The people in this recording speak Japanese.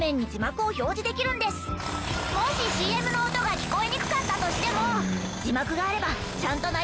もしＣＭの音が聞こえにくかったとしても。